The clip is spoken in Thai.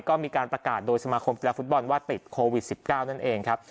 ก็มีการประกาศโดยสมาคมกีฬาฟุตบอลว่าติดโควิด๑๙นั่นเองครับ